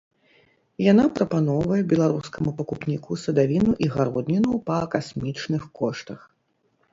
Яна прапаноўвае беларускаму пакупніку садавіну і гародніну па касмічных коштах.